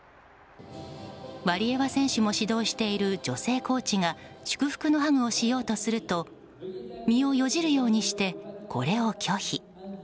ワリエワ選手も指導している女性コーチが祝福のハグをしようとすると身をよじるようにしてこれを拒否。